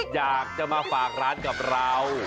อยากจะมาฝากร้านกับเรา